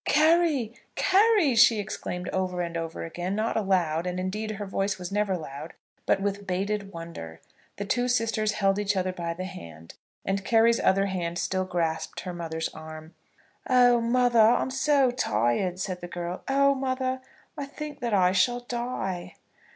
"Carry! Carry!" she exclaimed over and over again, not aloud, and indeed her voice was never loud, but with bated wonder. The two sisters held each other by the hand, and Carry's other hand still grasped her mother's arm. "Oh, mother, I am so tired," said the girl. "Oh, mother, I think that I shall die."